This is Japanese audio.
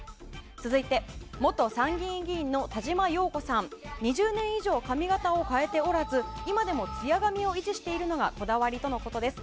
続いて、元参議院議員の田嶋陽子さん。２０年以上髪形を変えておらず今でも強くつや髪を維持していることがこだわりがそうです。